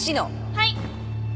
はい。